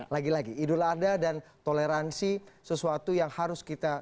lagi lagi idul adha dan toleransi sesuatu yang harus kita